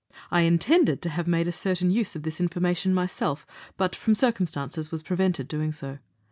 I intended to have made a certain use of this information myself, but, from circum stances, was prevented doing so.